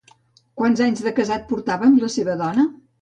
Quants anys de casat portava amb la seva dona?